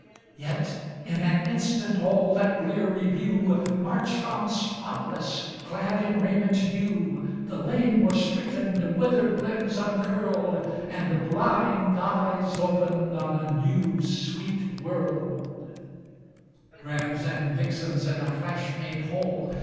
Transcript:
Yet in an instant all that blear reviewMarched on spotless, clad in raiment new. The lame were straightened, withered limbs uncurledAnd blind eyes opened on a new, sweet world.(Bass drum louder)Drabs and vixens in a flash made whole!